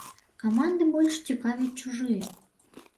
Каманды больш цікавяць чужыя.